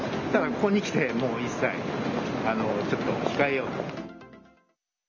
ただ、ここにきて、もう一切ちょっと控えようと。